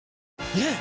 ねえ‼